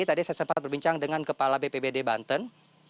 tadi saya sempat berbincang dengan kepala bpbd banten